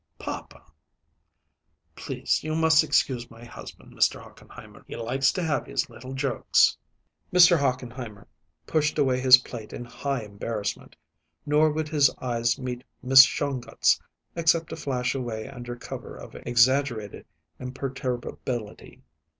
"Papa!" "Please, you must excuse my husband, Mr. Hochenheimer; he likes to have his little jokes." Mr. Hochenheimer pushed away his plate in high embarrassment; nor would his eyes meet Miss Shongut's, except to flash away under cover of exaggerated imperturbability.